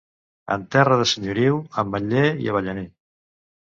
En terra de senyoriu, ametller i avellaner.